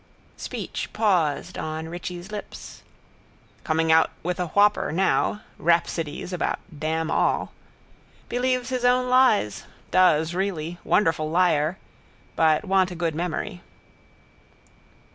Speech paused on Richie's lips. Coming out with a whopper now. Rhapsodies about damn all. Believes his own lies. Does really. Wonderful liar. But want a good memory.